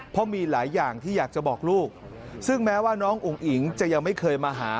เพราะมีหลายอย่างที่อยากจะบอกลูกซึ่งแม้ว่าน้องอุ๋งอิ๋งจะยังไม่เคยมาหา